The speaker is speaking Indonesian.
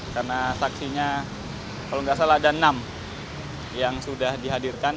karena saksinya kalau gak salah ada enam yang sudah dihadirkan